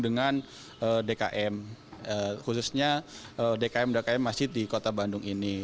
dengan dkm khususnya dkm dkm masjid di kota bandung ini